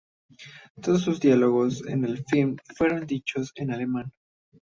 Todos sus diálogos en el film fueron dichos en alemán.